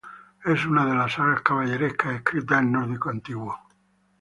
Es una de las sagas caballerescas escrita en nórdico antiguo.